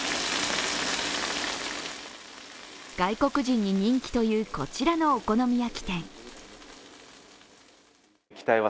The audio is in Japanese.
外国人に人気という、こちらのお好み焼き店。